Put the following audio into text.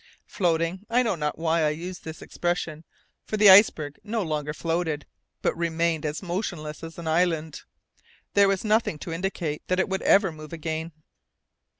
Floating? I know not why I use this expression, for the iceberg no longer floated, but remained as motionless as an island. There was nothing to indicate that it would ever move again.